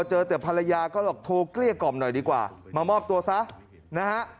เจอแต่ภรรยาก็บอกโทรเกลี้ยกล่อมหน่อยดีกว่ามามอบตัวซะนะฮะ